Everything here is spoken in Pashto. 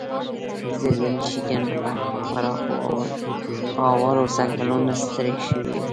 زه د میشیګن له پراخو اوارو ځنګلونو ستړی شوی یم.